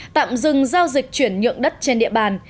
tạm dừng giao dịch chuyển nhượng đất trên địa bàn